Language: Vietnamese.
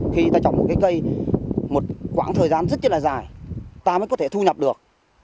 khi người ta trồng một cái cây một quãng thời gian rất là dài ta mới có thể thu nhập được